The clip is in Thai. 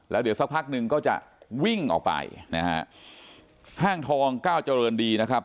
แล้วเดี๋ยวสักพักหนึ่งก็จะวิ่งออกไปนะฮะห้างทองก้าวเจริญดีนะครับ